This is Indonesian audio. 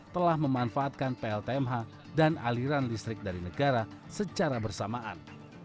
telah memanfaatkan pltmh dan aliran listrik dari negara secara bersamaan